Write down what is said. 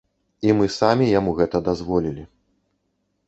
І мы самі яму гэта дазволілі.